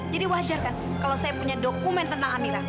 jadi wajar kan kalau saya punya dokumen tentang amira